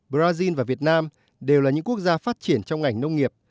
brazil và việt nam đều là những quốc gia phát triển trong ngành nông nghiệp